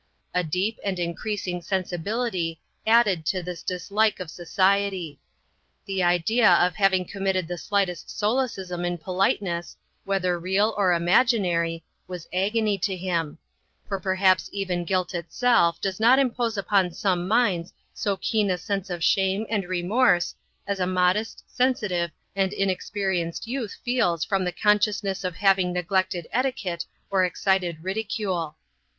A deep and increasing sensibility added to this dislike of society. The idea of having committed the slightest solecism in politeness, whether real or imaginary, was agony to him; for perhaps even guilt itself does not impose upon some minds so keen a sense of shame and remorse, as a modest, sensitive, and inexperienced youth feels from the consciousness of having neglected etiquette or excited ridicule.